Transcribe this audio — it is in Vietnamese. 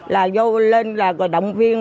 là vô lên là động viên